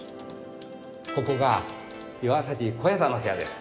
ここが岩小彌太の部屋です。